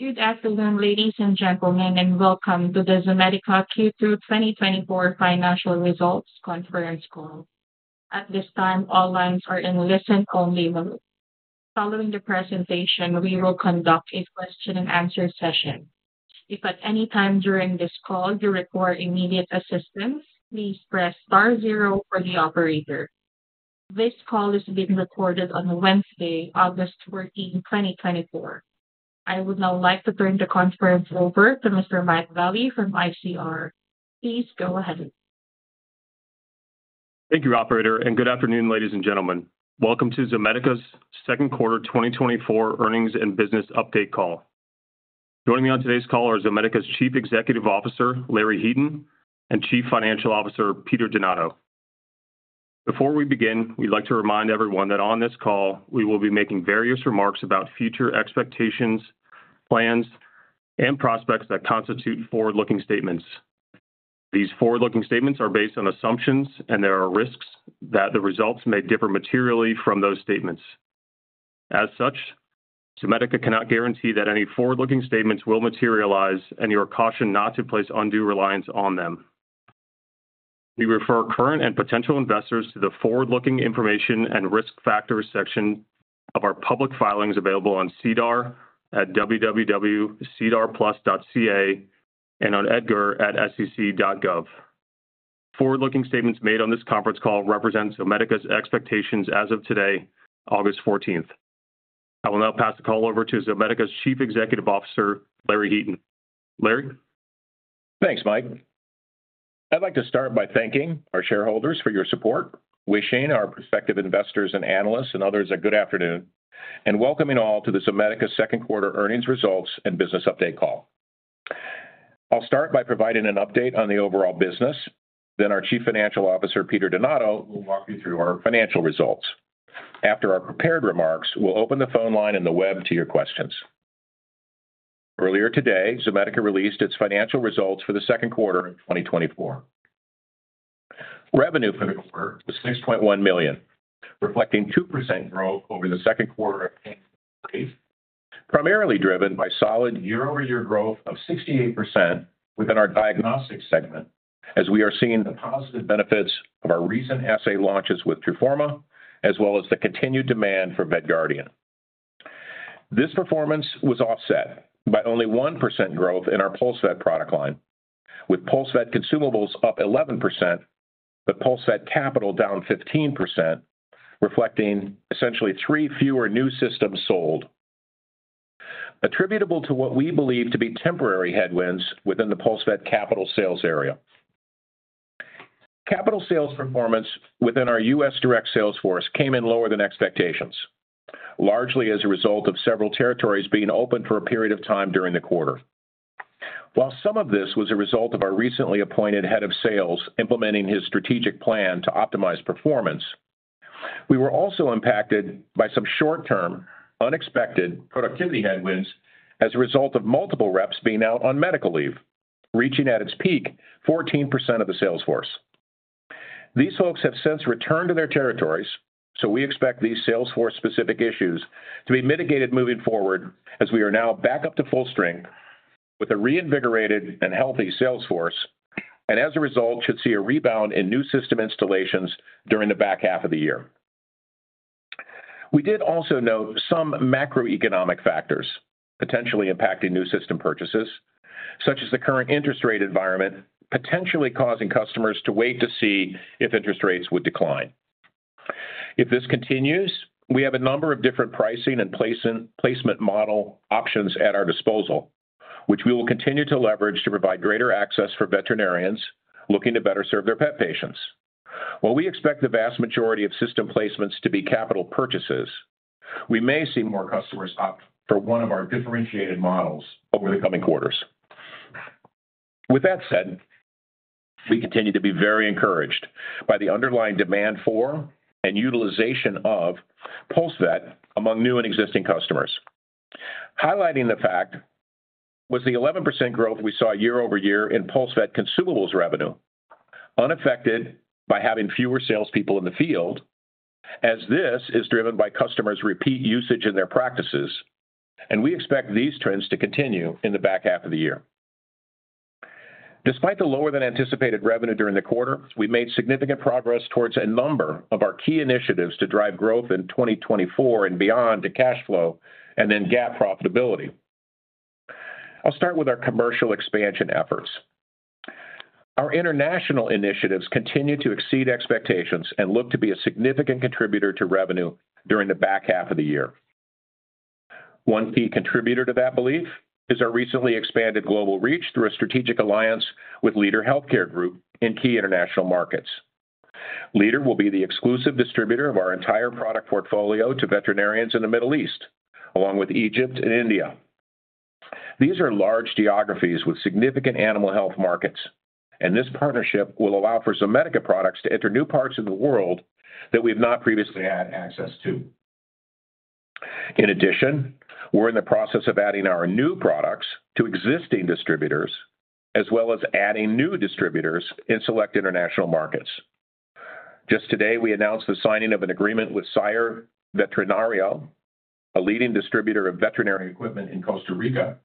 Good afternoon, ladies and gentlemen, and welcome to the Zomedica Q2 2024 Financial Results Conference Call. At this time, all lines are in listen-only mode. Following the presentation, we will conduct a question and answer session. If at any time during this call you require immediate assistance, please press star zero for the operator. This call is being recorded on Wednesday, August 14, 2024. I would now like to turn the conference over to Mr. Michael Vallie from ICR. Please go ahead. Thank you, operator, and good afternoon, ladies and gentlemen. Welcome to Zomedica's Second Quarter 2024 Earnings and Business Update Call. Joining me on today's call are Zomedica's Chief Executive Officer, Larry Heaton, and Chief Financial Officer, Peter Donato. Before we begin, we'd like to remind everyone that on this call, we will be making various remarks about future expectations, plans, and prospects that constitute forward-looking statements. These forward-looking statements are based on assumptions, and there are risks that the results may differ materially from those statements. As such, Zomedica cannot guarantee that any forward-looking statements will materialize, and you are cautioned not to place undue reliance on them. We refer current and potential investors to the forward-looking information and risk factors section of our public filings available on SEDAR at www.sedarplus.ca and on EDGAR at sec.gov. Forward-looking statements made on this conference call represent Zomedica's expectations as of today, August fourteenth. I will now pass the call over to Zomedica's Chief Executive Officer, Larry Heaton. Larry? Thanks, Mike. I'd like to start by thanking our shareholders for your support, wishing our prospective investors and analysts and others a good afternoon, and welcoming all to the Zomedica second quarter earnings results and business update call. I'll start by providing an update on the overall business, then our Chief Financial Officer, Peter Donato, will walk you through our financial results. After our prepared remarks, we'll open the phone line and the web to your questions. Earlier today, Zomedica released its financial results for the second quarter of 2024. Revenue for the quarter was $6.1 million, reflecting 2% growth over the second quarter of primarily driven by solid year-over-year growth of 68% within our diagnostics segment, as we are seeing the positive benefits of our recent assay launches with Truforma, as well as the continued demand for VetGuardian. This performance was offset by only 1% growth in our PulseVet product line, with PulseVet consumables up 11%, but PulseVet capital down 15%, reflecting essentially three fewer new systems sold, attributable to what we believe to be temporary headwinds within the PulseVet capital sales area. Capital sales performance within our U.S. direct sales force came in lower than expectations, largely as a result of several territories being open for a period of time during the quarter. While some of this was a result of our recently appointed head of sales implementing his strategic plan to optimize performance, we were also impacted by some short-term, unexpected productivity headwinds as a result of multiple reps being out on medical leave, reaching at its peak 14% of the sales force. These folks have since returned to their territories, so we expect these sales force-specific issues to be mitigated moving forward as we are now back up to full strength with a reinvigorated and healthy sales force, and as a result, should see a rebound in new system installations during the back half of the year. We did also note some macroeconomic factors potentially impacting new system purchases, such as the current interest rate environment, potentially causing customers to wait to see if interest rates would decline. If this continues, we have a number of different pricing and placement model options at our disposal, which we will continue to leverage to provide greater access for veterinarians looking to better serve their pet patients. While we expect the vast majority of system placements to be capital purchases, we may see more customers opt for one of our differentiated models over the coming quarters. With that said, we continue to be very encouraged by the underlying demand for and utilization of PulseVet among new and existing customers. Highlighting the fact was the 11% growth we saw year-over-year in PulseVet consumables revenue, unaffected by having fewer salespeople in the field, as this is driven by customers' repeat usage in their practices, and we expect these trends to continue in the back half of the year. Despite the lower than anticipated revenue during the quarter, we made significant progress towards a number of our key initiatives to drive growth in 2024 and beyond to cash flow and then GAAP profitability. I'll start with our commercial expansion efforts. Our international initiatives continue to exceed expectations and look to be a significant contributor to revenue during the back half of the year. One key contributor to that belief is our recently expanded global reach through a strategic alliance with Leader Healthcare Group in key international markets. Leader will be the exclusive distributor of our entire product portfolio to veterinarians in the Middle East, along with Egypt and India. These are large geographies with significant animal health markets, and this partnership will allow for Zomedica products to enter new parts of the world that we've not previously had access to. In addition, we're in the process of adding our new products to existing distributors, as well as adding new distributors in select international markets.... Just today, we announced the signing of an agreement with Sier Veterinario, a leading distributor of veterinary equipment in Costa Rica,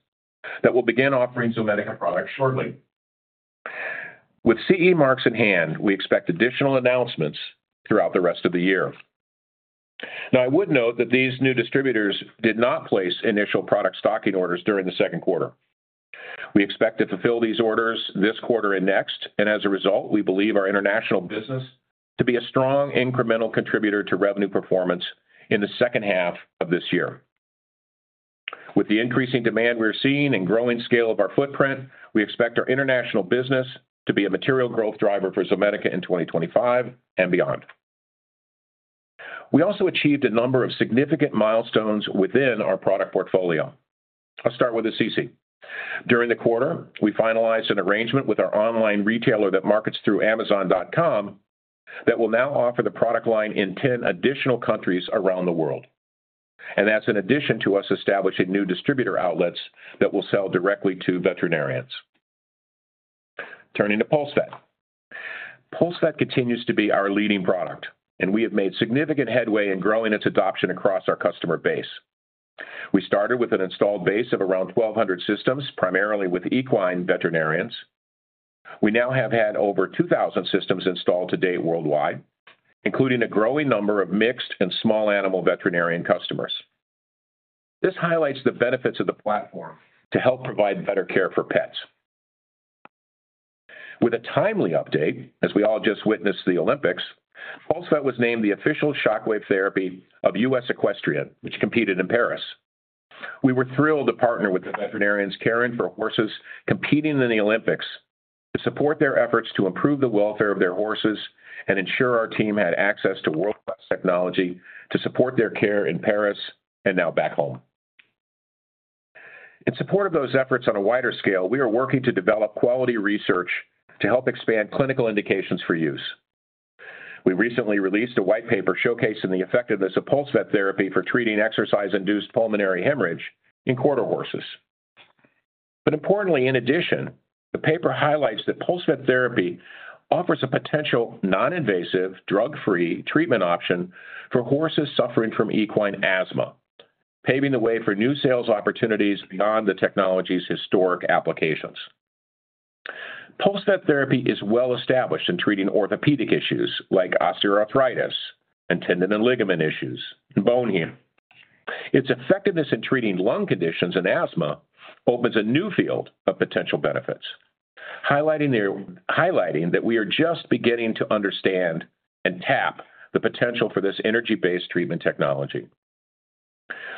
that will begin offering Zomedica products shortly. With CE marks in hand, we expect additional announcements throughout the rest of the year. Now, I would note that these new distributors did not place initial product stocking orders during the second quarter. We expect to fulfill these orders this quarter and next, and as a result, we believe our international business to be a strong incremental contributor to revenue performance in the second half of this year. With the increasing demand we're seeing and growing scale of our footprint, we expect our international business to be a material growth driver for Zomedica in 2025 and beyond. We also achieved a number of significant milestones within our product portfolio. I'll start with Assisi. During the quarter, we finalized an arrangement with our online retailer that markets through Amazon.com, that will now offer the product line in 10 additional countries around the world, and that's in addition to us establishing new distributor outlets that will sell directly to veterinarians. Turning to PulseVet. PulseVet continues to be our leading product, and we have made significant headway in growing its adoption across our customer base. We started with an installed base of around 1,200 systems, primarily with equine veterinarians. We now have had over 2,000 systems installed to date worldwide, including a growing number of mixed and small animal veterinarian customers. This highlights the benefits of the platform to help provide better care for pets. With a timely update, as we all just witnessed the Olympics, PulseVet was named the official shockwave therapy of US Equestrian, which competed in Paris. We were thrilled to partner with the veterinarians caring for horses competing in the Olympics, to support their efforts to improve the welfare of their horses and ensure our team had access to world-class technology to support their care in Paris and now back home. In support of those efforts on a wider scale, we are working to develop quality research to help expand clinical indications for use. We recently released a white paper showcasing the effectiveness of PulseVet therapy for treating exercise-induced pulmonary hemorrhage in quarter horses. But importantly, in addition, the paper highlights that PulseVet therapy offers a potential non-invasive, drug-free treatment option for horses suffering from equine asthma, paving the way for new sales opportunities beyond the technology's historic applications. PulseVet therapy is well-established in treating orthopedic issues like osteoarthritis and tendon and ligament issues, and bone heal. Its effectiveness in treating lung conditions and asthma opens a new field of potential benefits. Highlighting that we are just beginning to understand and tap the potential for this energy-based treatment technology.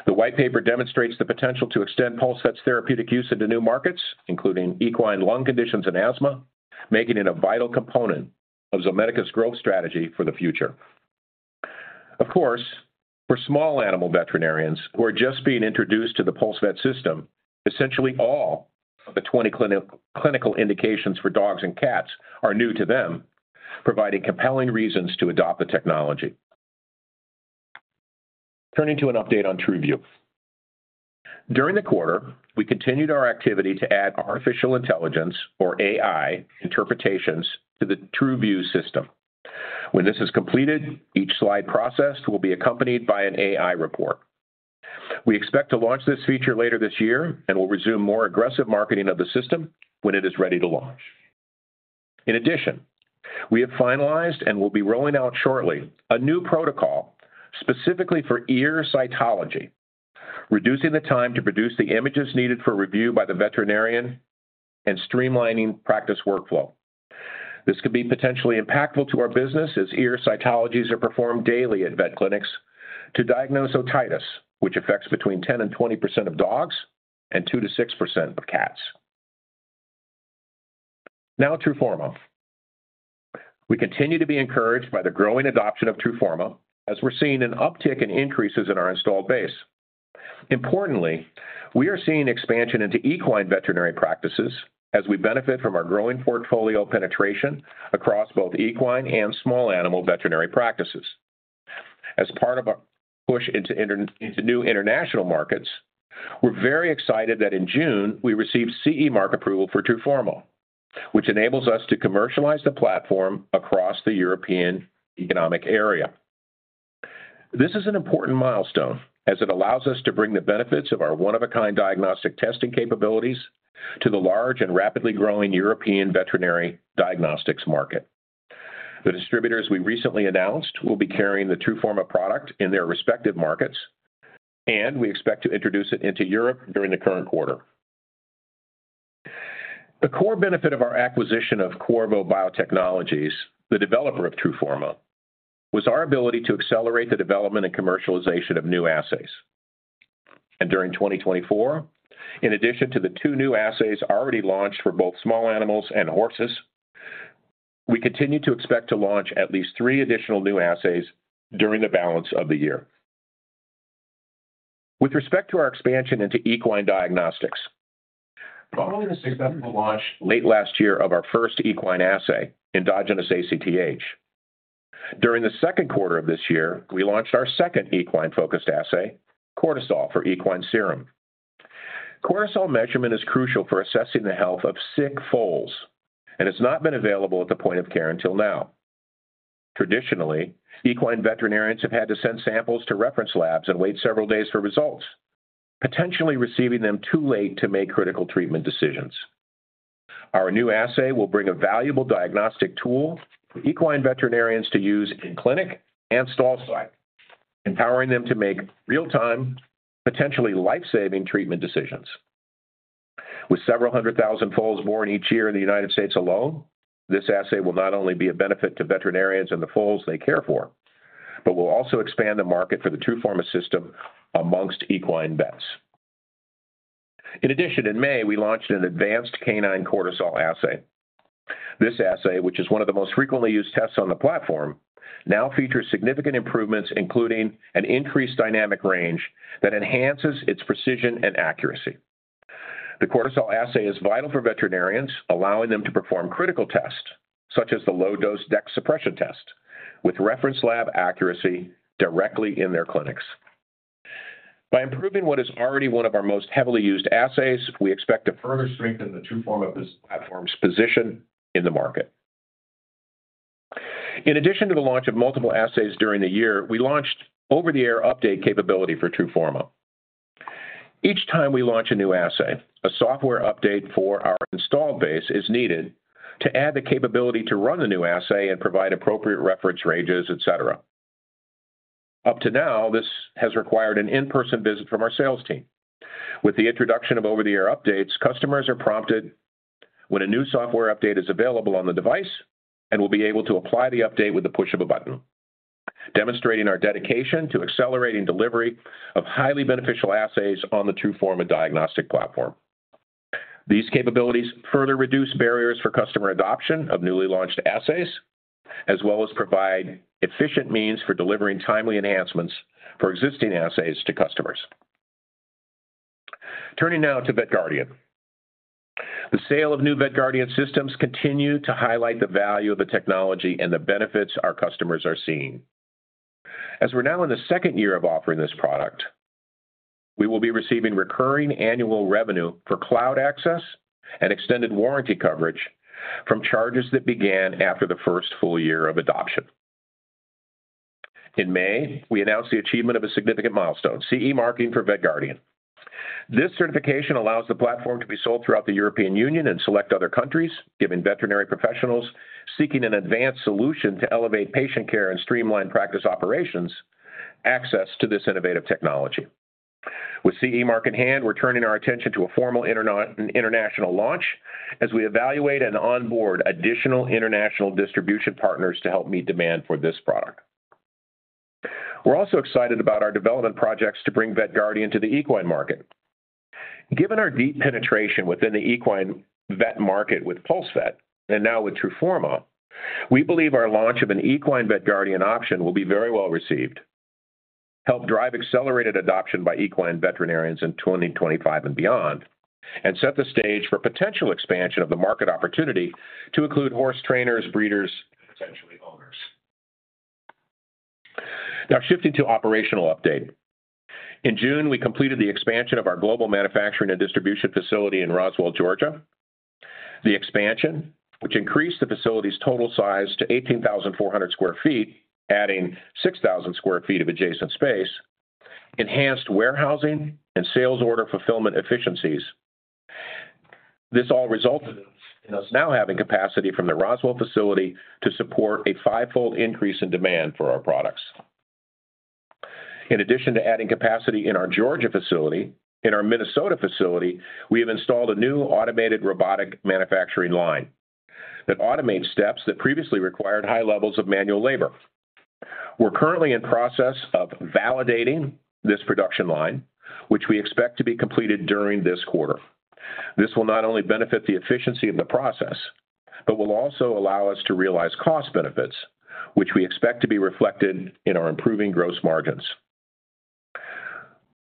The white paper demonstrates the potential to extend PulseVet's therapeutic use into new markets, including equine lung conditions and asthma, making it a vital component of Zomedica's growth strategy for the future. Of course, for small animal veterinarians who are just being introduced to the PulseVet system, essentially all of the 20 clinical indications for dogs and cats are new to them, providing compelling reasons to adopt the technology. Turning to an update on TruView. During the quarter, we continued our activity to add artificial intelligence, or AI, interpretations to the TruView system. When this is completed, each slide processed will be accompanied by an AI report. We expect to launch this feature later this year and will resume more aggressive marketing of the system when it is ready to launch. In addition, we have finalized and will be rolling out shortly a new protocol specifically for ear cytology, reducing the time to produce the images needed for review by the veterinarian and streamlining practice workflow. This could be potentially impactful to our business, as ear cytologies are performed daily at vet clinics to diagnose otitis, which affects between 10% and 20% of dogs and 2%-6% of cats. Now, Truforma. We continue to be encouraged by the growing adoption of Truforma, as we're seeing an uptick in increases in our installed base. Importantly, we are seeing expansion into equine veterinary practices as we benefit from our growing portfolio penetration across both equine and small animal veterinary practices. As part of our push into into new international markets, we're very excited that in June, we received CE Mark approval for Truforma, which enables us to commercialize the platform across the European Economic Area. This is an important milestone as it allows us to bring the benefits of our one-of-a-kind diagnostic testing capabilities to the large and rapidly growing European veterinary diagnostics market. The distributors we recently announced will be carrying the Truforma product in their respective markets, and we expect to introduce it into Europe during the current quarter. The core benefit of our acquisition of Qorvo Biotechnologies, the developer of Truforma, was our ability to accelerate the development and commercialization of new assays. During 2024, in addition to the 2 new assays already launched for both small animals and horses, we continue to expect to launch at least 3 additional new assays during the balance of the year. With respect to our expansion into equine diagnostics, following the successful launch late last year of our first equine assay, Endogenous ACTH, during the second quarter of this year, we launched our second equine-focused assay, Cortisol, for equine serum. Cortisol measurement is crucial for assessing the health of sick foals, and it's not been available at the point of care until now. Traditionally, equine veterinarians have had to send samples to reference labs and wait several days for results, potentially receiving them too late to make critical treatment decisions. Our new assay will bring a valuable diagnostic tool for equine veterinarians to use in clinic and stall-side, empowering them to make real-time, potentially life-saving treatment decisions. With several hundred thousand foals born each year in the United States alone, this assay will not only be a benefit to veterinarians and the foals they care for, but will also expand the market for the Truforma system amongst equine vets. In addition, in May, we launched an advanced canine cortisol assay. This assay, which is one of the most frequently used tests on the platform, now features significant improvements, including an increased dynamic range that enhances its precision and accuracy. The cortisol assay is vital for veterinarians, allowing them to perform critical tests, such as the low-dose dex suppression test, with reference lab accuracy directly in their clinics. By improving what is already one of our most heavily used assays, we expect to further strengthen the Truforma platform's position in the market. In addition to the launch of multiple assays during the year, we launched over-the-air update capability for Truforma. Each time we launch a new assay, a software update for our installed base is needed to add the capability to run the new assay and provide appropriate reference ranges, et cetera. Up to now, this has required an in-person visit from our sales team. With the introduction of over-the-air updates, customers are prompted when a new software update is available on the device and will be able to apply the update with the push of a button, demonstrating our dedication to accelerating delivery of highly beneficial assays on the Truforma diagnostic platform. These capabilities further reduce barriers for customer adoption of newly launched assays, as well as provide efficient means for delivering timely enhancements for existing assays to customers. Turning now to VetGuardian. The sale of new VetGuardian systems continue to highlight the value of the technology and the benefits our customers are seeing. As we're now in the second year of offering this product, we will be receiving recurring annual revenue for cloud access and extended warranty coverage from charges that began after the first full year of adoption. In May, we announced the achievement of a significant milestone, CE marking for VetGuardian. This certification allows the platform to be sold throughout the European Union and select other countries, giving veterinary professionals seeking an advanced solution to elevate patient care and streamline practice operations, access to this innovative technology. With CE Mark in hand, we're turning our attention to a formal international launch as we evaluate and onboard additional international distribution partners to help meet demand for this product. We're also excited about our development projects to bring VetGuardian to the equine market. Given our deep penetration within the equine vet market with PulseVet, and now with Truforma, we believe our launch of an equine VetGuardian option will be very well received, help drive accelerated adoption by equine veterinarians in 2025 and beyond, and set the stage for potential expansion of the market opportunity to include horse trainers, breeders, and potentially owners. Now, shifting to operational update. In June, we completed the expansion of our global manufacturing and distribution facility in Roswell, Georgia. The expansion, which increased the facility's total size to 18,400 sq ft, adding 6,000 sq ft of adjacent space, enhanced warehousing and sales order fulfillment efficiencies. This all resulted in us now having capacity from the Roswell facility to support a 5-fold increase in demand for our products. In addition to adding capacity in our Georgia facility, in our Minnesota facility, we have installed a new automated robotic manufacturing line that automates steps that previously required high levels of manual labor. We're currently in process of validating this production line, which we expect to be completed during this quarter. This will not only benefit the efficiency of the process, but will also allow us to realize cost benefits, which we expect to be reflected in our improving gross margins.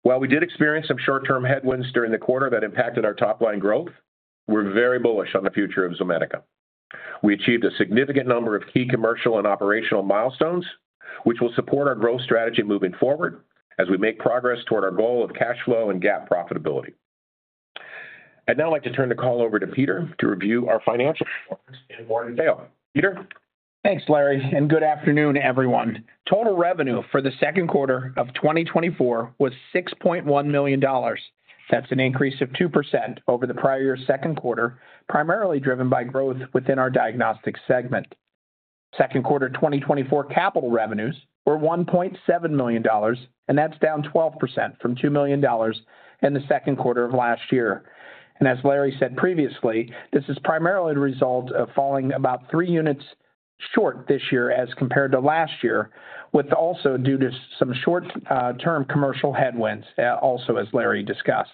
While we did experience some short-term headwinds during the quarter that impacted our top-line growth, we're very bullish on the future of Zomedica. We achieved a significant number of key commercial and operational milestones, which will support our growth strategy moving forward as we make progress toward our goal of cash flow and GAAP profitability. I'd now like to turn the call over to Peter to review our financial performance and more in detail. Peter? Thanks, Larry, and good afternoon, everyone. Total revenue for the second quarter of 2024 was $6.1 million. That's an increase of 2% over the prior year's second quarter, primarily driven by growth within our diagnostics segment. Second quarter 2024 capital revenues were $1.7 million, and that's down 12% from $2 million in the second quarter of last year. And as Larry said previously, this is primarily the result of falling about 3 units short this year as compared to last year, with also due to some short-term commercial headwinds, also as Larry discussed.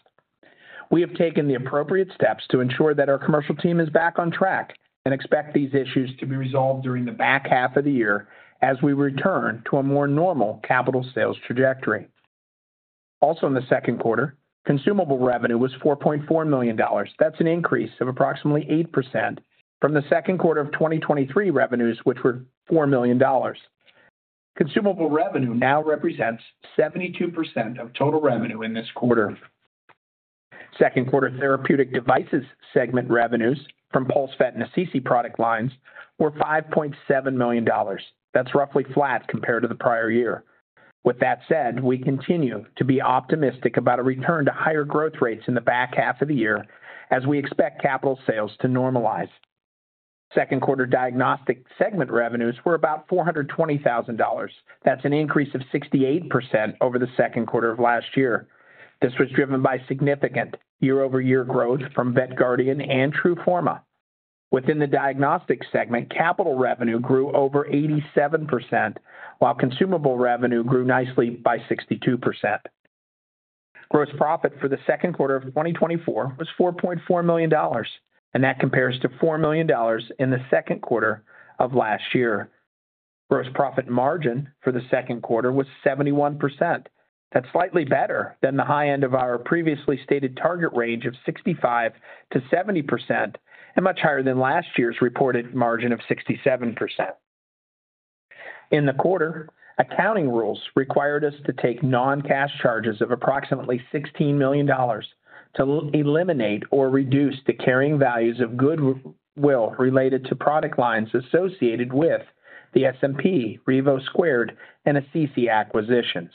We have taken the appropriate steps to ensure that our commercial team is back on track and expect these issues to be resolved during the back half of the year as we return to a more normal capital sales trajectory. Also in the second quarter, consumable revenue was $4.4 million. That's an increase of approximately 8% from the second quarter of 2023 revenues, which were $4 million. Consumable revenue now represents 72% of total revenue in this quarter. Second quarter therapeutic devices segment revenues from PulseVet and Assisi product lines were $5.7 million. That's roughly flat compared to the prior year. With that said, we continue to be optimistic about a return to higher growth rates in the back half of the year as we expect capital sales to normalize. Second quarter diagnostic segment revenues were about $420,000. That's an increase of 68% over the second quarter of last year. This was driven by significant year-over-year growth from VetGuardian and Truforma. Within the diagnostics segment, capital revenue grew over 87%, while consumable revenue grew nicely by 62%. Gross profit for the second quarter of 2024 was $4.4 million, and that compares to $4 million in the second quarter of last year. Gross profit margin for the second quarter was 71%. That's slightly better than the high end of our previously stated target range of 65%-70%, and much higher than last year's reported margin of 67%. In the quarter, accounting rules required us to take non-cash charges of approximately $16 million to eliminate or reduce the carrying values of goodwill related to product lines associated with the SMP, Revo Squared, and Assisi acquisitions.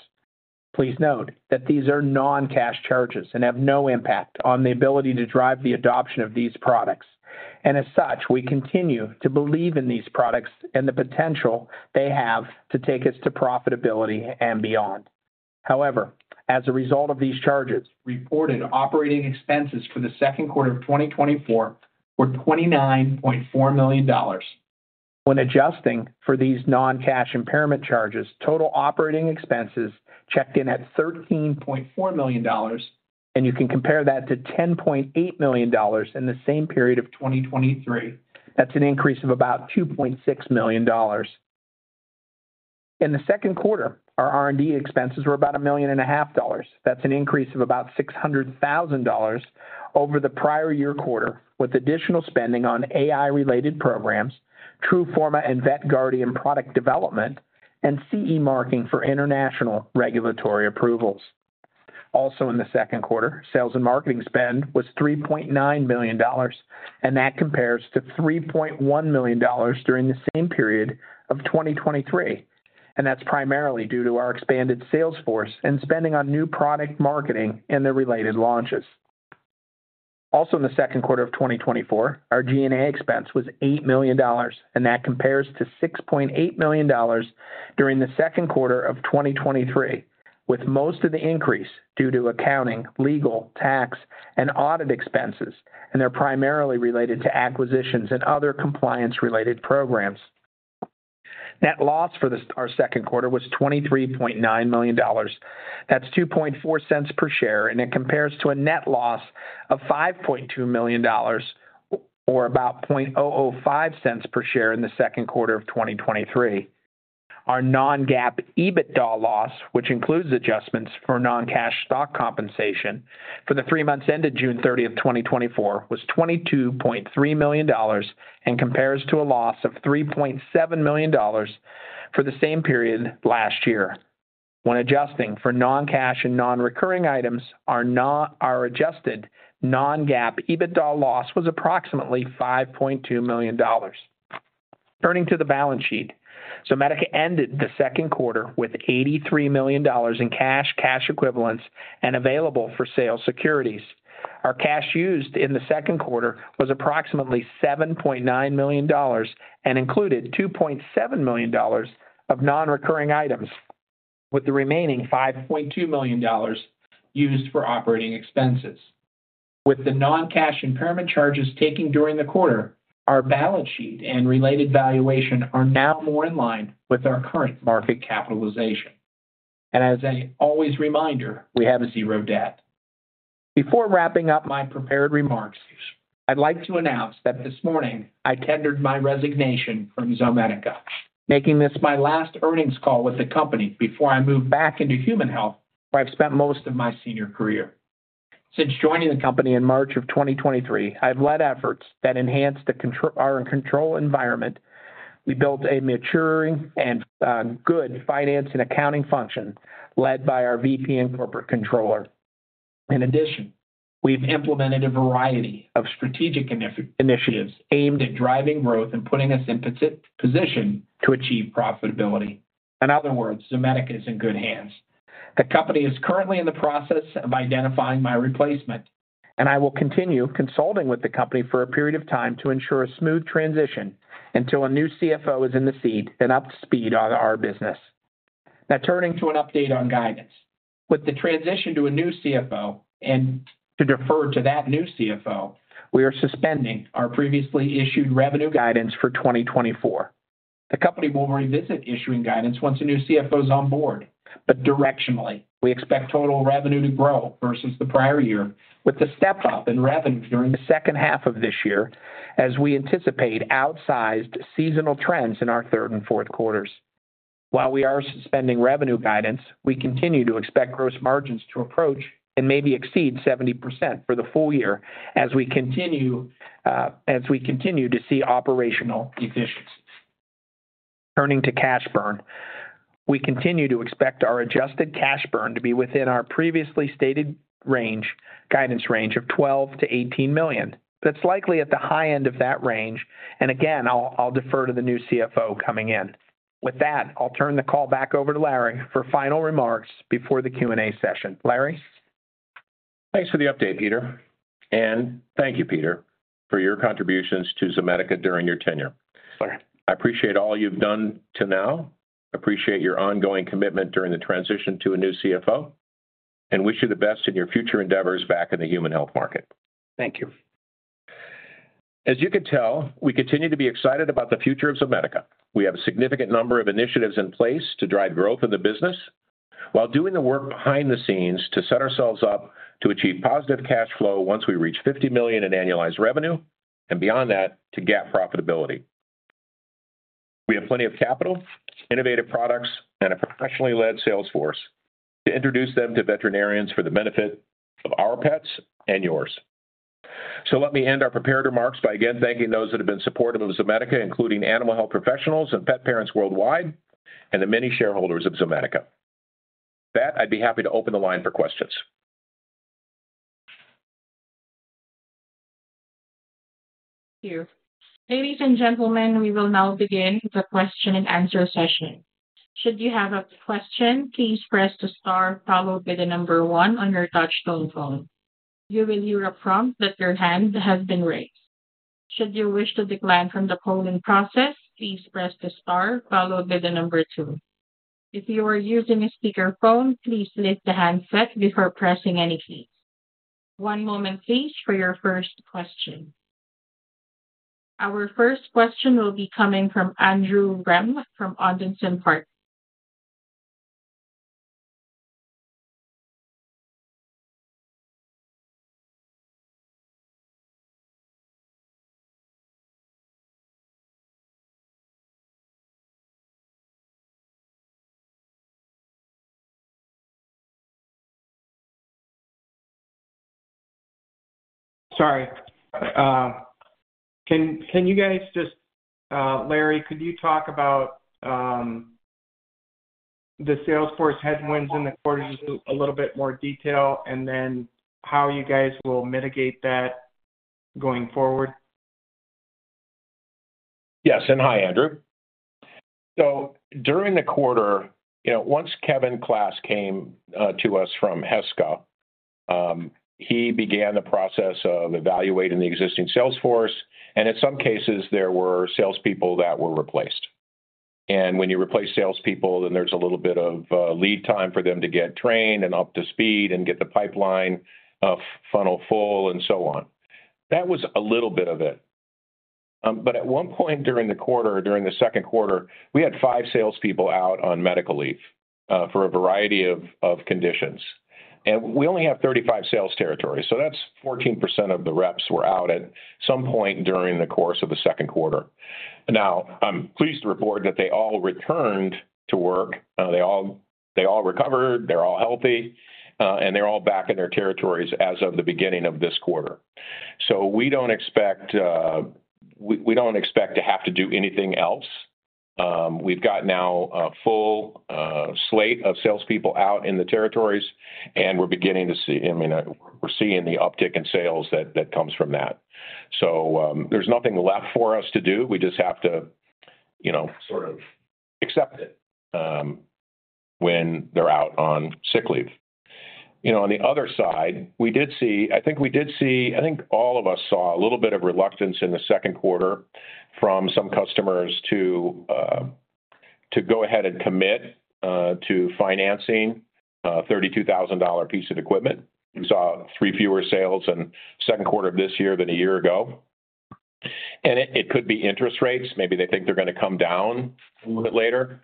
Please note that these are non-cash charges and have no impact on the ability to drive the adoption of these products. As such, we continue to believe in these products and the potential they have to take us to profitability and beyond. However, as a result of these charges, reported operating expenses for the second quarter of 2024 were $29.4 million. When adjusting for these non-cash impairment charges, total operating expenses checked in at $13.4 million, and you can compare that to $10.8 million in the same period of 2023. That's an increase of about $2.6 million. In the second quarter, our R&D expenses were about $1.5 million. That's an increase of about $600,000 over the prior year quarter, with additional spending on AI-related programs, Truforma and VetGuardian product development, and CE Mark for international regulatory approvals. Also in the second quarter, sales and marketing spend was $3.9 million, and that compares to $3.1 million during the same period of 2023, and that's primarily due to our expanded sales force and spending on new product marketing and their related launches. Also in the second quarter of 2024, our G&A expense was $8 million, and that compares to $6.8 million during the second quarter of 2023, with most of the increase due to accounting, legal, tax, and audit expenses, and they're primarily related to acquisitions and other compliance-related programs. Net loss for this, our second quarter was $23.9 million. That's 2.4 cents per share, and it compares to a net loss of $5.2 million, or about 0.005 cents per share in the second quarter of 2023. Our non-GAAP EBITDA loss, which includes adjustments for non-cash stock compensation for the three months ended June 30, 2024, was $22.3 million and compares to a loss of $3.7 million for the same period last year. When adjusting for non-cash and non-recurring items, our our adjusted non-GAAP EBITDA loss was approximately $5.2 million. Turning to the balance sheet. So Zomedica ended the second quarter with $83 million in cash, cash equivalents, and available for sale securities. Our cash used in the second quarter was approximately $7.9 million and included $2.7 million of non-recurring items, with the remaining $5.2 million used for operating expenses. With the non-cash impairment charges taken during the quarter, our balance sheet and related valuation are now more in line with our current market capitalization. As always, a reminder, we have zero debt. Before wrapping up my prepared remarks, I'd like to announce that this morning I tendered my resignation from Zomedica, making this my last earnings call with the company before I move back into human health, where I've spent most of my senior career. Since joining the company in March of 2023, I've led efforts that enhanced the control, our control environment. We built a maturing and good finance and accounting function led by our VP and corporate controller. In addition, we've implemented a variety of strategic initiatives aimed at driving growth and putting us in position to achieve profitability. In other words, Zomedica is in good hands. The company is currently in the process of identifying my replacement, and I will continue consulting with the company for a period of time to ensure a smooth transition until a new CFO is in the seat and up to speed on our business. Now, turning to an update on guidance. With the transition to a new CFO and to defer to that new CFO, we are suspending our previously issued revenue guidance for 2024. The company will revisit issuing guidance once a new CFO is on board, but directionally, we expect total revenue to grow versus the prior year, with a step up in revenue during the second half of this year, as we anticipate outsized seasonal trends in our third and fourth quarters. While we are suspending revenue guidance, we continue to expect gross margins to approach and maybe exceed 70% for the full year as we continue to see operational efficiency. Turning to cash burn. We continue to expect our adjusted cash burn to be within our previously stated range, guidance range of $12 million-$18 million. That's likely at the high end of that range, and again, I'll, I'll defer to the new CFO coming in. With that, I'll turn the call back over to Larry for final remarks before the Q&A session. Larry? Thanks for the update, Peter, and thank you, Peter, for your contributions to Zomedica during your tenure. I appreciate all you've done to now, appreciate your ongoing commitment during the transition to a new CFO, and wish you the best in your future endeavors back in the human health market. Thank you. As you can tell, we continue to be excited about the future of Zomedica. We have a significant number of initiatives in place to drive growth in the business, while doing the work behind the scenes to set ourselves up to achieve positive cash flow once we reach $50 million in annualized revenue, and beyond that, to GAAP profitability. We have plenty of capital, innovative products, and a professionally led sales force to introduce them to veterinarians for the benefit of our pets and yours. So let me end our prepared remarks by again thanking those that have been supportive of Zomedica, including animal health professionals and pet parents worldwide, and the many shareholders of Zomedica. With that, I'd be happy to open the line for questions. Thank you. Ladies and gentlemen, we will now begin the question and answer session. Should you have a question, please press the star followed by the number one on your touchtone phone. You will hear a prompt that your hand has been raised. Should you wish to decline from the polling process, please press the star followed by the number two. If you are using a speakerphone, please lift the handset before pressing any keys. One moment, please, for your first question. Our first question will be coming from Andrew Rehm from Odinson Partners. Sorry, can you guys just... Larry, could you talk about the sales force headwinds in the quarter, just a little bit more detail, and then how you guys will mitigate that going forward? Yes, and hi, Andrew. So during the quarter, you know, once Kevin Klass came to us from Heska, he began the process of evaluating the existing sales force, and in some cases, there were salespeople that were replaced. And when you replace salespeople, then there's a little bit of lead time for them to get trained and up to speed and get the pipeline of funnel full and so on. That was a little bit of it. But at one point during the quarter, during the second quarter, we had 5 salespeople out on medical leave for a variety of conditions. And we only have 35 sales territories, so that's 14% of the reps were out at some point during the course of the second quarter. Now, I'm pleased to report that they all returned to work. They all, they all recovered, they're all healthy, and they're all back in their territories as of the beginning of this quarter. So we don't expect, we, we don't expect to have to do anything else. We've got now a full, slate of salespeople out in the territories, and we're beginning to see, I mean, we're seeing the uptick in sales that, that comes from that. So, there's nothing left for us to do. We just have to, you know, sort of accept it, when they're out on sick leave. You know, on the other side, we did see, I think we did see. I think all of us saw a little bit of reluctance in the second quarter from some customers to, to go ahead and commit, to financing a $32,000 piece of equipment. We saw three fewer sales in the second quarter of this year than a year ago. It, it could be interest rates. Maybe they think they're gonna come down a little bit later.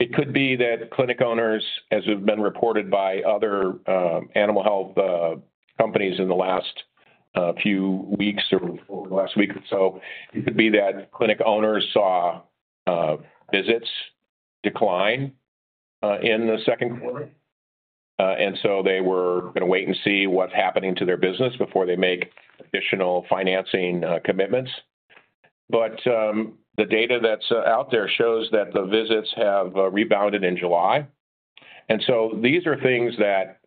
It could be that clinic owners, as have been reported by other animal health companies in the last few weeks or last week or so, it could be that clinic owners saw visits decline in the second quarter. And so they were gonna wait and see what's happening to their business before they make additional financing commitments. But the data that's out there shows that the visits have rebounded in July. And so these are things that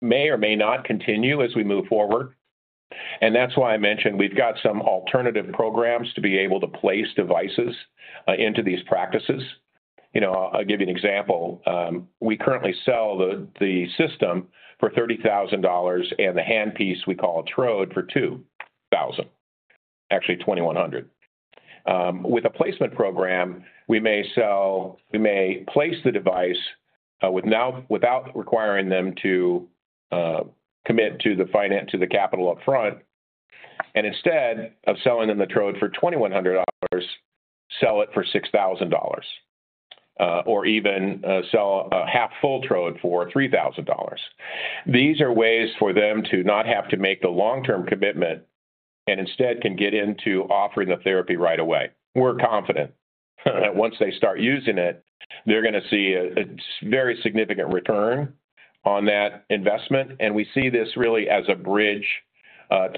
may or may not continue as we move forward, and that's why I mentioned we've got some alternative programs to be able to place devices into these practices. You know, I'll give you an example. We currently sell the system for $30,000 and the handpiece we call a Trode for $2,000, actually $2,100. With a placement program, we may place the device without requiring them to commit to the finance, to the capital up front, and instead of selling them the Trode for $2,100, sell it for $6,000, or even sell a half full Trode for $3,000. These are ways for them to not have to make the long-term commitment and instead can get into offering the therapy right away. We're confident that once they start using it, they're gonna see a very significant return on that investment, and we see this really as a bridge-...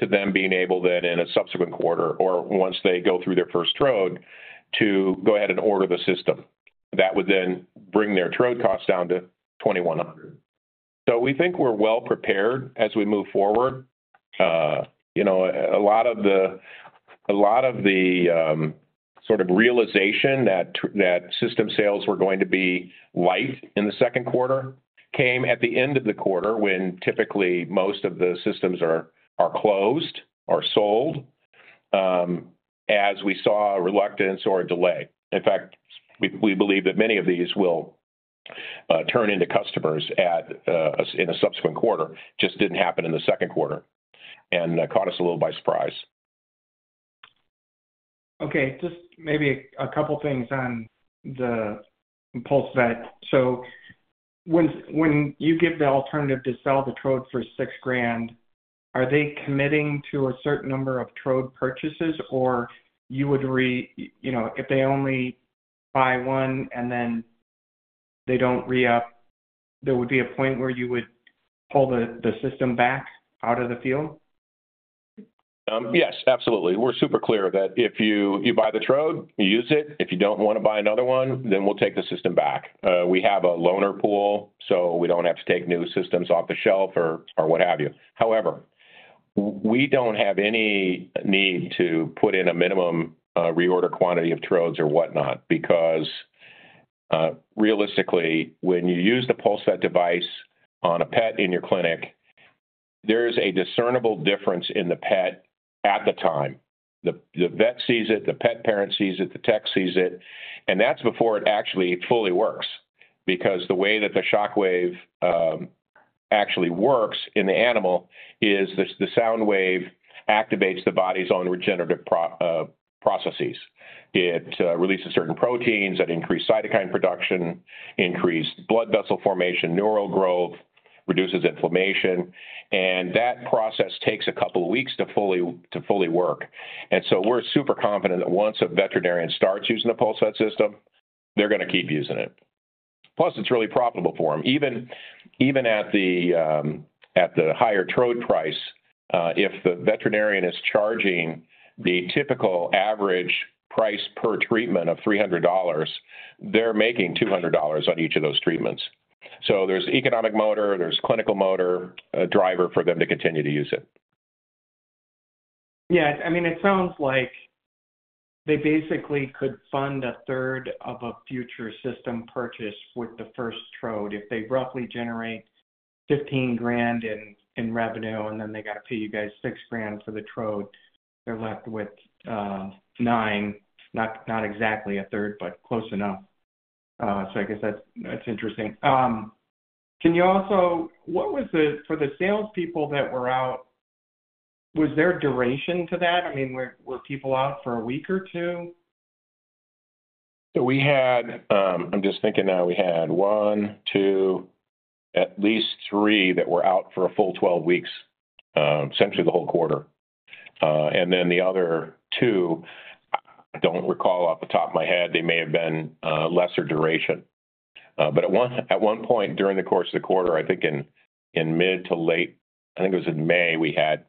To them being able then in a subsequent quarter or once they go through their first Trode, to go ahead and order the system. That would then bring their Trode costs down to $2,100. So we think we're well prepared as we move forward. You know, a lot of the, a lot of the, sort of realization that that system sales were going to be light in the second quarter came at the end of the quarter, when typically, most of the systems are closed, are sold, as we saw a reluctance or a delay. In fact, we believe that many of these will turn into customers in a subsequent quarter. Just didn't happen in the second quarter and caught us a little by surprise. Okay, just maybe a couple things on the PulseVet. So when you give the alternative to sell the Trode for $6,000, are they committing to a certain number of Trode purchases? Or you would—you know, if they only buy one and then they don't re-up, there would be a point where you would pull the system back out of the field? Yes, absolutely. We're super clear that if you buy the Trode, you use it. If you don't wanna buy another one, then we'll take the system back. We have a loaner pool, so we don't have to take new systems off the shelf or what have you. However, we don't have any need to put in a minimum reorder quantity of Trodes or whatnot, because realistically, when you use the PulseVet device on a pet in your clinic, there is a discernible difference in the pet at the time. The vet sees it, the pet parent sees it, the tech sees it, and that's before it actually fully works. Because the way that the shockwave actually works in the animal is the sound wave activates the body's own regenerative processes. It releases certain proteins that increase cytokine production, increase blood vessel formation, neural growth, reduces inflammation, and that process takes a couple of weeks to fully work. And so we're super confident that once a veterinarian starts using the PulseVet system, they're gonna keep using it. Plus, it's really profitable for them. Even at the higher Trode price, if the veterinarian is charging the typical average price per treatment of $300, they're making $200 on each of those treatments. So there's economic motor, there's clinical motor, a driver for them to continue to use it. Yeah, I mean, it sounds like they basically could fund a third of a future system purchase with the first Trode. If they roughly generate $15,000 in revenue, and then they gotta pay you guys $6,000 for the Trode, they're left with $9,000. Not exactly a third, but close enough. So I guess that's interesting. Can you also... What was the-- for the salespeople that were out, was there a duration to that? I mean, were people out for a week or two? So we had, I'm just thinking now, we had 1, 2, at least 3 that were out for a full 12 weeks, essentially the whole quarter. And then the other 2, I don't recall off the top of my head, they may have been lesser duration. But at one point during the course of the quarter, I think in mid to late, I think it was in May, we had...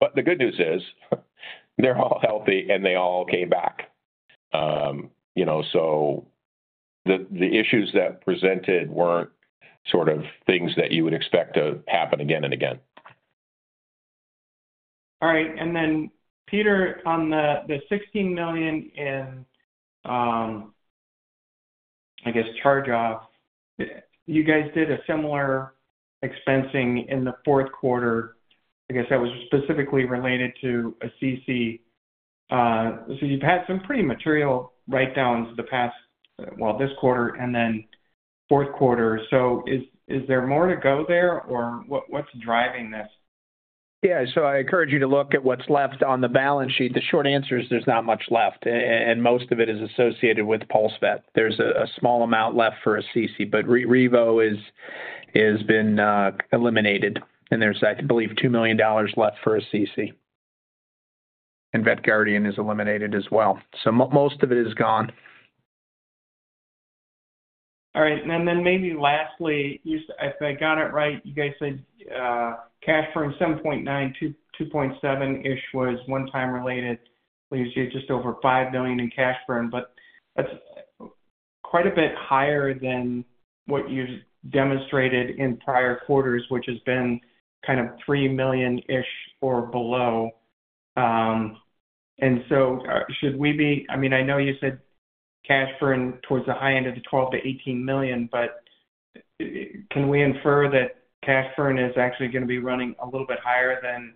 But the good news is, they're all healthy, and they all came back. You know, so the issues that presented weren't sort of things that you would expect to happen again and again. All right. And then, Peter, on the $16 million in, I guess, charge-offs, you guys did a similar expensing in the fourth quarter. I guess that was specifically related to Assisi. So you've had some pretty material write-downs the past... well, this quarter and then fourth quarter. So is there more to go there, or what's driving this? Yeah, so I encourage you to look at what's left on the balance sheet. The short answer is there's not much left, and most of it is associated with PulseVet. There's a small amount left for Assisi, but Revo is, has been, eliminated, and there's, I believe, $2 million left for Assisi, and VetGuardian is eliminated as well. So most of it is gone. All right. And then maybe lastly, you—if I got it right, you guys said, cash burn, 7.92, 2.7-ish was one-time related. Leaves you just over $5 million in cash burn, but that's quite a bit higher than what you've demonstrated in prior quarters, which has been kind of $3 million-ish or below. And so, should we be—I mean, I know you said cash burn towards the high end of the $12 million-$18 million, but can we infer that cash burn is actually gonna be running a little bit higher than,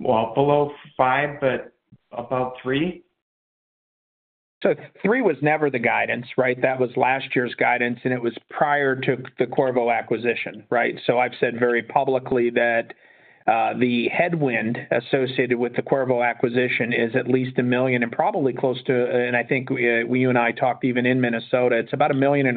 well, below five, but above three? So 3 was never the guidance, right? That was last year's guidance, and it was prior to the Qorvo acquisition, right? So I've said very publicly that, the headwind associated with the Qorvo acquisition is at least $1 million and probably close to... And I think, you and I talked even in Minnesota, it's about $1.25 million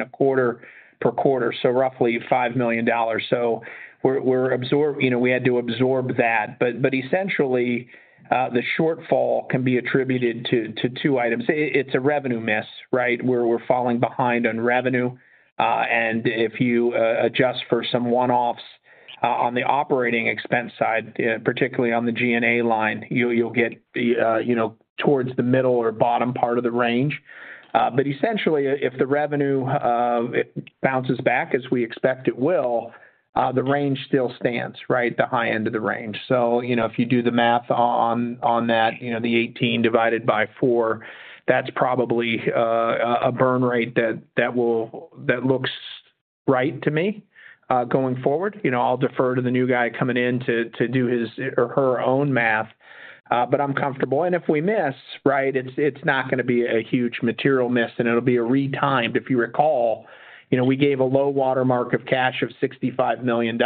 per quarter, so roughly $5 million. So we're absorbing, you know, we had to absorb that. But essentially, the shortfall can be attributed to two items. It's a revenue miss, right? Where we're falling behind on revenue. And if you adjust for some one-offs-... on the operating expense side, particularly on the G&A line, you'll, you'll get the, you know, towards the middle or bottom part of the range. But essentially, if the revenue bounces back, as we expect it will, the range still stands, right? The high end of the range. So, you know, if you do the math on, on that, you know, the 18 divided by 4, that's probably a burn rate that, that will -- that looks right to me, going forward. You know, I'll defer to the new guy coming in to, to do his or her own math, but I'm comfortable. And if we miss, right, it's, it's not gonna be a huge material miss, and it'll be retimed. If you recall, you know, we gave a low watermark of cash of $65 million.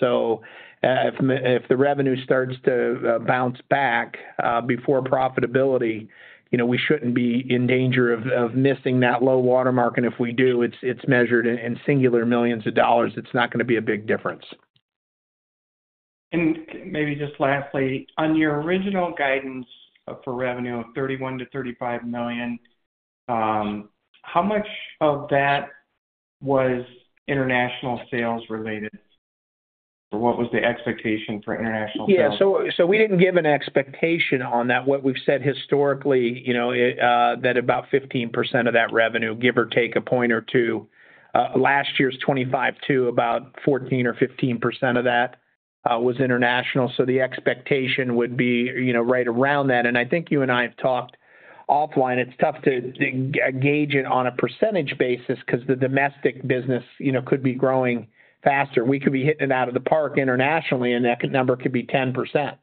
So, if the revenue starts to bounce back before profitability, you know, we shouldn't be in danger of missing that low watermark. And if we do, it's measured in singular millions of dollars. It's not gonna be a big difference. Maybe just lastly, on your original guidance for revenue of $31 million-$35 million, how much of that was international sales related? Or what was the expectation for international sales? Yeah. So, so we didn't give an expectation on that. What we've said historically, you know, it, that about 15% of that revenue, give or take a point or two, last year's 25 to about 14 or 15% of that, was international. So the expectation would be, you know, right around that. And I think you and I have talked offline. It's tough to, to gauge it on a percentage basis because the domestic business, you know, could be growing faster. We could be hitting it out of the park internationally, and that number could be 10%,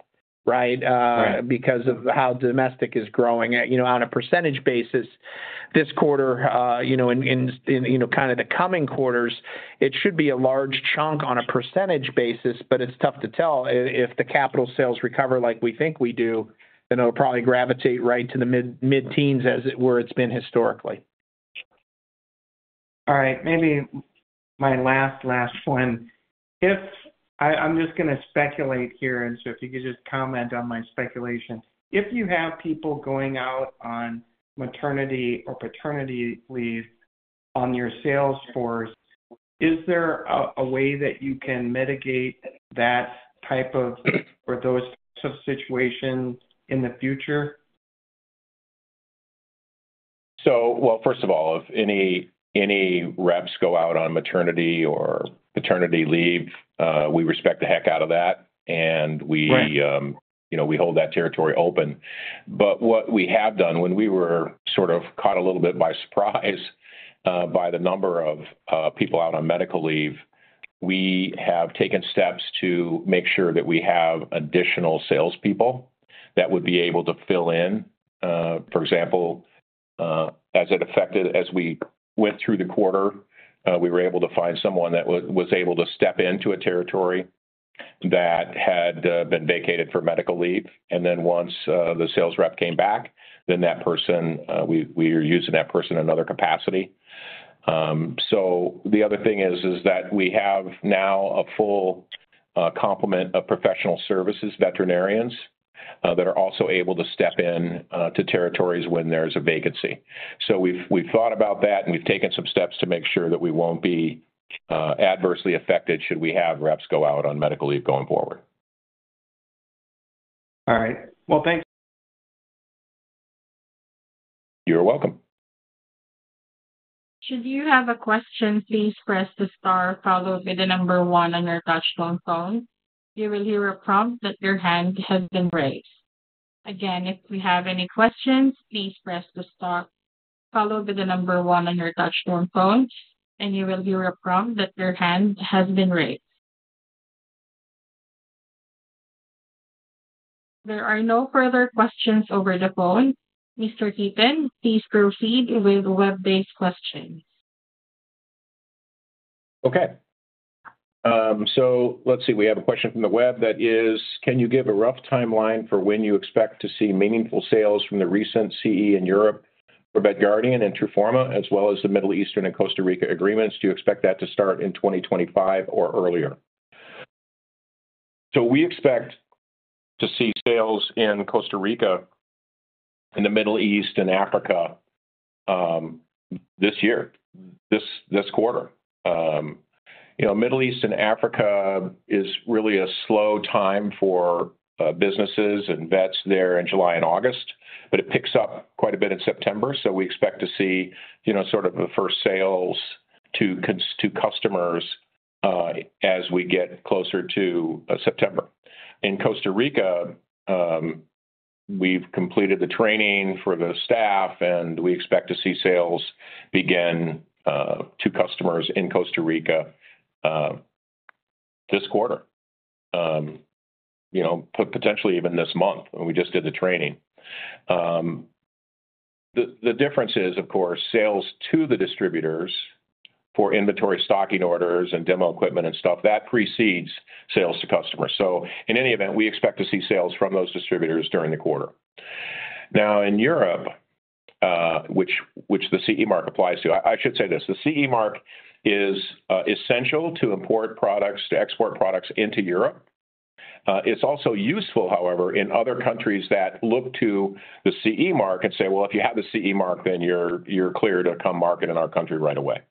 right? Because of how domestic is growing. You know, on a percentage basis this quarter, you know, kind of the coming quarters, it should be a large chunk on a percentage basis, but it's tough to tell. If the capital sales recover like we think we do, then it'll probably gravitate right to the mid, mid-teens, as where it's been historically. All right. Maybe my last, last one. If I, I'm just gonna speculate here, and so if you could just comment on my speculation. If you have people going out on maternity or paternity leave on your sales force, is there a way that you can mitigate that type of, or those type of situations in the future? Well, first of all, if any reps go out on maternity or paternity leave, we respect the heck out of that, and we... you know, we hold that territory open. But what we have done when we were sort of caught a little bit by surprise by the number of people out on medical leave, we have taken steps to make sure that we have additional salespeople that would be able to fill in. For example, as it affected, as we went through the quarter, we were able to find someone that was able to step into a territory that had been vacated for medical leave. And then once the sales rep came back, then that person, we are using that person in another capacity. So the other thing is that we have now a full complement of professional services veterinarians that are also able to step in to territories when there's a vacancy. So we've, we've thought about that, and we've taken some steps to make sure that we won't be adversely affected should we have reps go out on medical leave going forward. All right. Well, thanks. You're welcome. Should you have a question, please press the star followed by the number 1 on your touchtone phone. You will hear a prompt that your hand has been raised. Again, if you have any questions, please press the star followed by the number 1 on your touchtone phone, and you will hear a prompt that your hand has been raised. There are no further questions over the phone. Mr. Heaton, please proceed with web-based questions. Okay. So let's see. We have a question from the web that is: Can you give a rough timeline for when you expect to see meaningful sales from the recent CE in Europe for VetGuardian and Truforma, as well as the Middle Eastern and Costa Rica agreements? Do you expect that to start in 2025 or earlier? So we expect to see sales in Costa Rica, in the Middle East and Africa, this year, this quarter. You know, Middle East and Africa is really a slow time for businesses and vets there in July and August, but it picks up quite a bit in September. So we expect to see, you know, sort of the first sales to customers, as we get closer to September. In Costa Rica, we've completed the training for the staff, and we expect to see sales begin to customers in Costa Rica this quarter. You know, potentially even this month, and we just did the training. The difference is, of course, sales to the distributors for inventory, stocking orders, and demo equipment and stuff, that precedes sales to customers. So in any event, we expect to see sales from those distributors during the quarter. Now, in Europe, which the CE mark applies to. I should say this, the CE mark is essential to import products, to export products into Europe. It's also useful, however, in other countries that look to the CE Mark and say, "Well, if you have the CE Mark, then you're clear to come market in our country right away."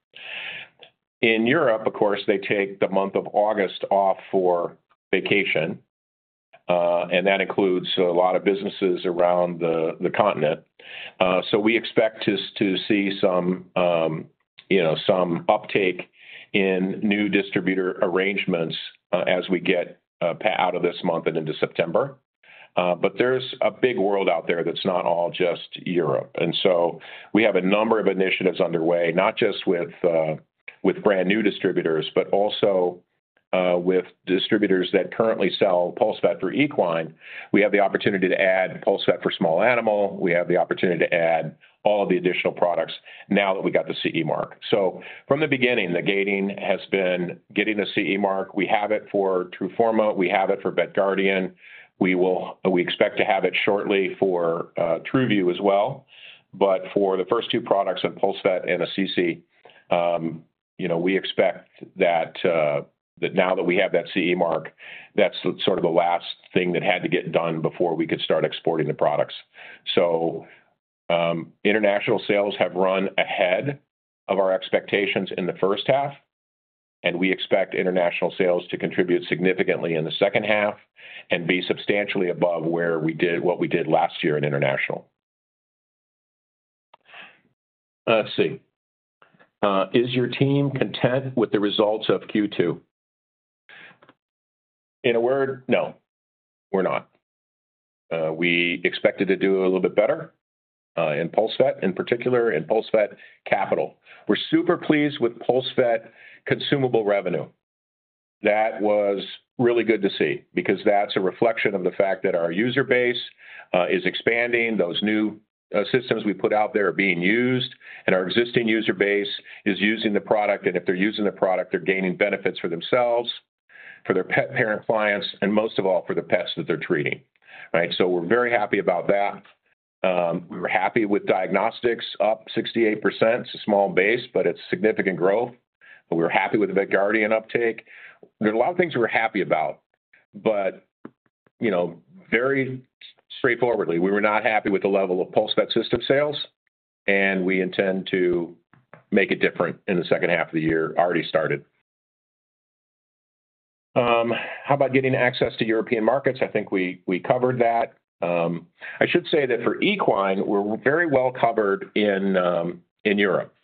In Europe, of course, they take the month of August off for vacation, and that includes a lot of businesses around the continent. So we expect to see some, you know, some uptake in new distributor arrangements, as we get past out of this month and into September. But there's a big world out there that's not all just Europe. And so we have a number of initiatives underway, not just with brand new distributors, but also with distributors that currently sell PulseVet for equine. We have the opportunity to add PulseVet for small animal. We have the opportunity to add all of the additional products now that we got the CE Mark. So from the beginning, the gating has been getting the CE Mark. We have it for Truforma, we have it for VetGuardian. We expect to have it shortly for TruView as well. But for the first two products in PulseVet and Assisi, you know, we expect that now that we have that CE Mark, that's sort of the last thing that had to get done before we could start exporting the products. So, international sales have run ahead of our expectations in the first half, and we expect international sales to contribute significantly in the second half and be substantially above what we did last year in international. Let's see. Is your team content with the results of Q2? In a word, no, we're not. We expected to do a little bit better, in PulseVet, in particular in PulseVet capital. We're super pleased with PulseVet consumable revenue. That was really good to see because that's a reflection of the fact that our user base, is expanding. Those new, systems we put out there are being used, and our existing user base is using the product, and if they're using the product, they're gaining benefits for themselves, for their pet parent clients, and most of all, for the pets that they're treating, right? So we're very happy about that. We were happy with diagnostics up 68%. It's a small base, but it's significant growth. We're happy with the VetGuardian uptake. There are a lot of things we're happy about, but, you know, very straightforwardly, we were not happy with the level of PulseVet system sales, and we intend to make it different in the second half of the year. Already started. How about getting access to European markets? I think we covered that. I should say that for equine, we're very well covered in Europe.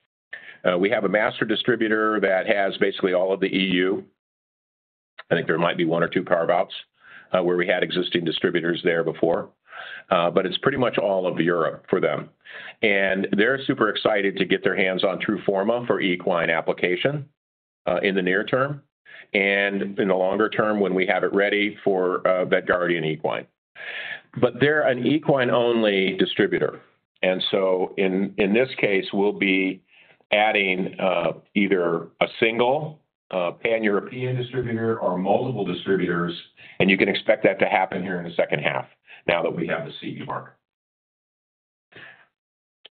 We have a master distributor that has basically all of the E.U. I think there might be one or two carve-outs, where we had existing distributors there before, but it's pretty much all of Europe for them. And they're super excited to get their hands on Truforma for equine application, in the near term, and in the longer term, when we have it ready for VetGuardian equine. But they're an equine-only distributor, and so in this case, we'll be adding either a single pan-European distributor or multiple distributors, and you can expect that to happen here in the second half now that we have the CE Mark.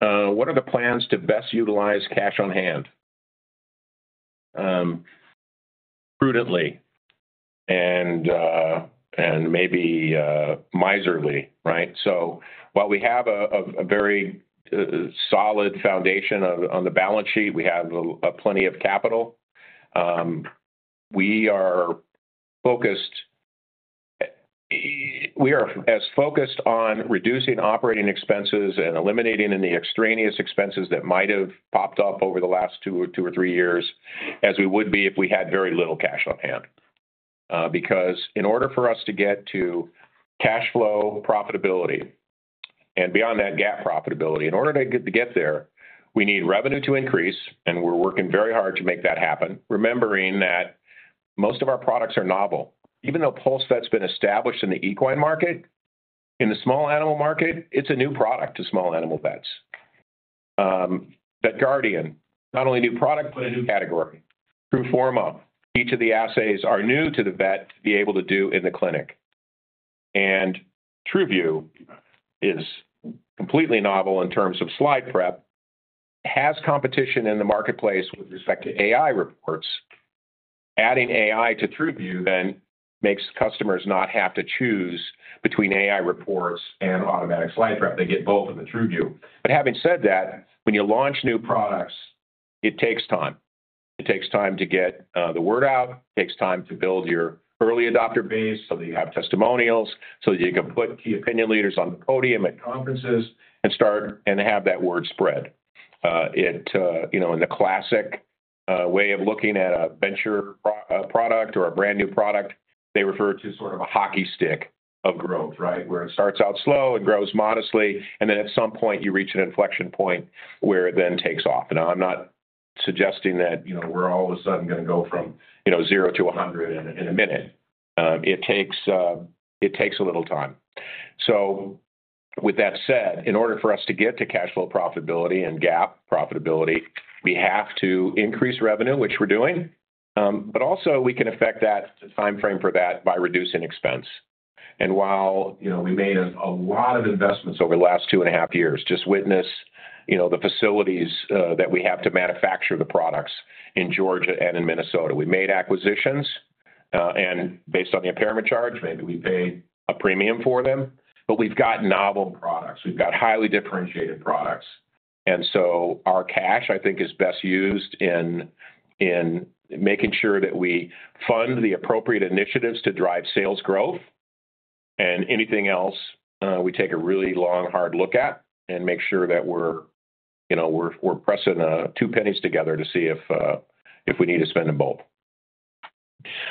What are the plans to best utilize cash on hand? Prudently and maybe miserly, right? So while we have a very solid foundation on the balance sheet, we have plenty of capital, we are focused... We are as focused on reducing operating expenses and eliminating any extraneous expenses that might have popped up over the last two or three years as we would be if we had very little cash on hand. Because in order for us to get to cash flow profitability and beyond that, GAAP profitability, in order to get there, we need revenue to increase, and we're working very hard to make that happen, remembering that most of our products are novel. Even though PulseVet's been established in the equine market, in the small animal market, it's a new product to small animal vets. VetGuardian, not only a new product, but a new category. Truforma, each of the assays are new to the vet to be able to do in the clinic. TruView is completely novel in terms of slide prep, has competition in the marketplace with respect to AI reports. Adding AI to TruView then makes customers not have to choose between AI reports and automatic slide prep. They get both in the TruView. But having said that, when you launch new products, it takes time. It takes time to get the word out, it takes time to build your early adopter base so that you have testimonials, so that you can put key opinion leaders on the podium at conferences and start and have that word spread. You know, in the classic way of looking at a venture product or a brand new product, they refer to sort of a hockey stick of growth, right? Where it starts out slow and grows modestly, and then at some point, you reach an inflection point where it then takes off. And I'm not suggesting that, you know, we're all of a sudden gonna go from, you know, 0 to 100 in a, in a minute. It takes a little time. So with that said, in order for us to get to cash flow profitability and GAAP profitability, we have to increase revenue, which we're doing, but also we can affect that timeframe for that by reducing expense. And while, you know, we made a lot of investments over the last 2.5 years, just witness, you know, the facilities that we have to manufacture the products in Georgia and in Minnesota. We made acquisitions, and based on the impairment charge, maybe we paid a premium for them, but we've got novel products. We've got highly differentiated products. And so our cash, I think, is best used in making sure that we fund the appropriate initiatives to drive sales growth. Anything else, we take a really long, hard look at and make sure that we're, you know, we're pressing two pennies together to see if we need to spend a bulb.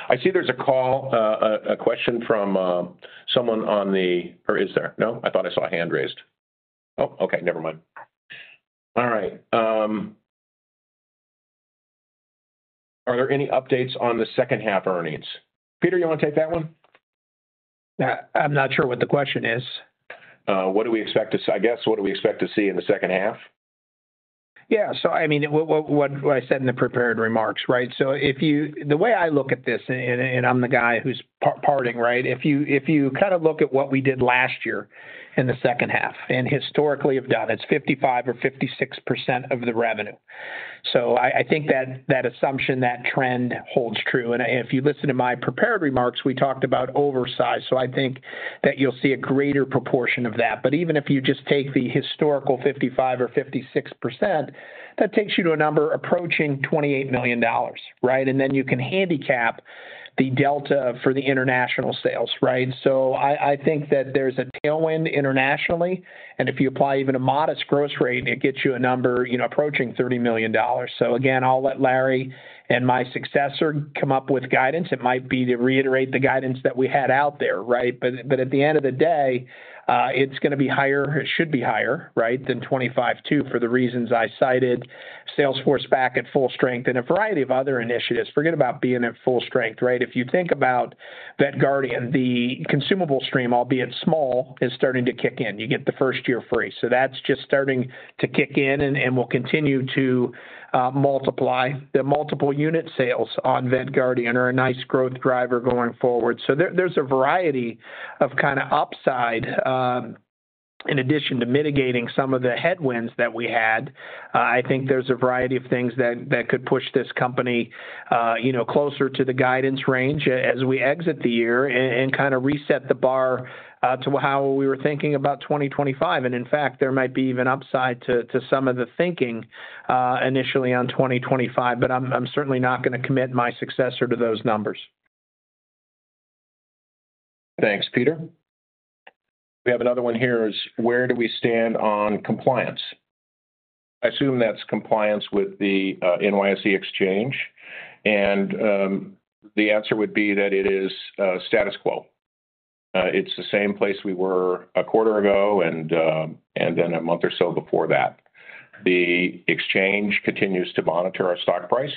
I see there's a call, a question from someone on the-- or is there? No, I thought I saw a hand raised. Oh, okay, never mind. All right. Are there any updates on the second half earnings? Peter, you want to take that one? I'm not sure what the question is. I guess, what do we expect to see in the second half? Yeah. So I mean, what I said in the prepared remarks, right? So if you, the way I look at this, and I'm the guy who's participating, right? If you kind of look at what we did last year in the second half and historically have done, it's 55% or 56% of the revenue. So I think that assumption, that trend holds true. And if you listen to my prepared remarks, we talked about upside. So I think that you'll see a greater proportion of that. But even if you just take the historical 55% or 56%, that takes you to a number approaching $28 million, right? And then you can handicap the delta for the international sales, right? So I think that there's a tailwind internationally, and if you apply even a modest growth rate, it gets you a number, you know, approaching $30 million. So again, I'll let Larry and my successor come up with guidance. It might be to reiterate the guidance that we had out there, right? But at the end of the day, it's gonna be higher, it should be higher, right, than $25.2 for the reasons I cited. Sales force back at full strength and a variety of other initiatives. Forget about being at full strength, right? If you think about VetGuardian, the consumable stream, albeit small, is starting to kick in. You get the first year free. So that's just starting to kick in and will continue to multiply. The multiple unit sales on VetGuardian are a nice growth driver going forward. So there, there's a variety of kind of upside, in addition to mitigating some of the headwinds that we had. I think there's a variety of things that, that could push this company, you know, closer to the guidance range as we exit the year and, and kind of reset the bar, to how we were thinking about 2025. And in fact, there might be even upside to, to some of the thinking, initially on 2025, but I'm, I'm certainly not gonna commit my successor to those numbers. Thanks, Peter. We have another one here is: where do we stand on compliance? I assume that's compliance with the NYSE exchange, and the answer would be that it is status quo. It's the same place we were a quarter ago and then a month or so before that. The exchange continues to monitor our stock price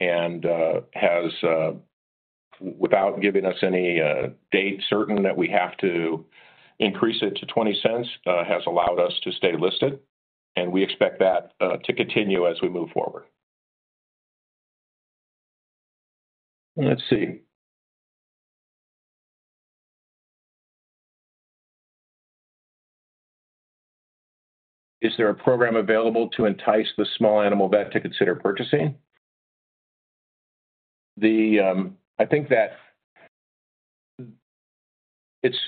and has, without giving us any date certain, that we have to increase it to $0.20, has allowed us to stay listed, and we expect that to continue as we move forward. Let's see. Is there a program available to entice the small animal vet to consider purchasing? I think that it's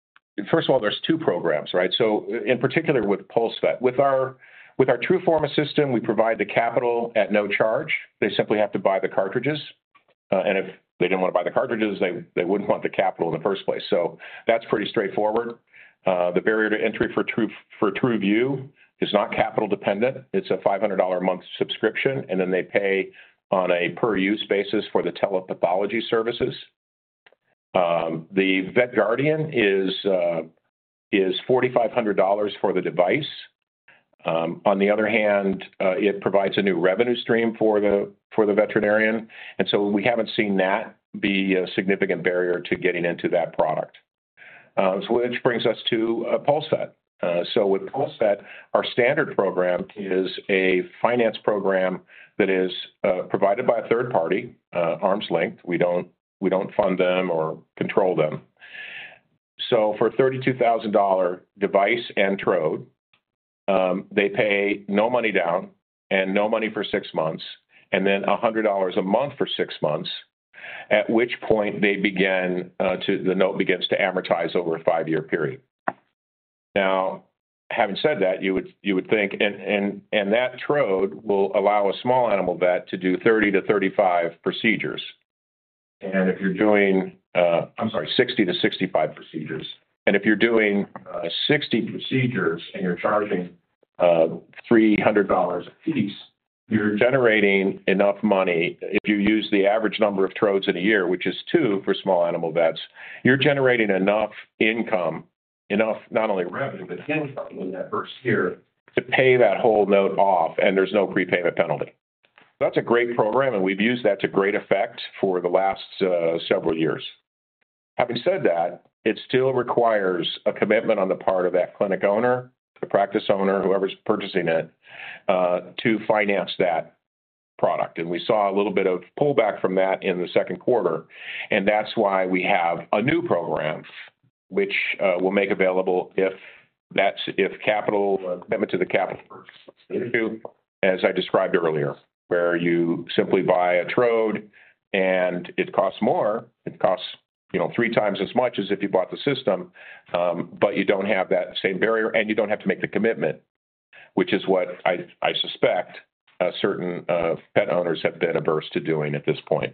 - first of all, there's two programs, right? So in particular, with PulseVet. With our, with our Truforma system, we provide the capital at no charge. They simply have to buy the cartridges, and if they didn't want to buy the cartridges, they wouldn't want the capital in the first place. So that's pretty straightforward. The barrier to entry for TruView is not capital dependent. It's a $500 a month subscription, and then they pay on a per-use basis for the telepathology services. The VetGuardian is $4,500 for the device. On the other hand, it provides a new revenue stream for the veterinarian, and so we haven't seen that be a significant barrier to getting into that product. Which brings us to PulseVet. So with PulseVet, our standard program is a finance program that is provided by a third party, arm's length. We don't fund them or control them. So for a $32,000 device and Trode, they pay no money down and no money for 6 months, and then $100 a month for 6 months, at which point they begin the note begins to amortize over a 5-year period. Now, having said that, you would think. That Trode will allow a small animal vet to do 30-35 procedures. And if you're doing, I'm sorry, 60-65 procedures, and if you're doing 60 procedures and you're charging $300 a piece, you're generating enough money. If you use the average number of trodes in a year, which is 2 for small animal vets, you're generating enough income, enough not only revenue, but income in that first year to pay that whole note off, and there's no prepayment penalty. That's a great program, and we've used that to great effect for the last several years. Having said that, it still requires a commitment on the part of that clinic owner, the practice owner, whoever's purchasing it to finance that product. And we saw a little bit of pullback from that in the second quarter, and that's why we have a new program which we'll make available if capital commitment to the capital, as I described earlier, where you simply buy a Trode and it costs more, it costs, you know, three times as much as if you bought the system, but you don't have that same barrier, and you don't have to make the commitment, which is what I suspect certain pet owners have been averse to doing at this point.